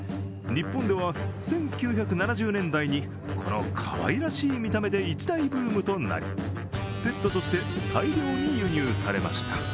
日本では１９７０年代に、このかわいらしい見た目で一大ブームとなりペットとして大量に輸入されました。